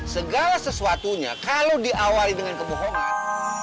segala sesuatunya kalau diawali dengan kebohongan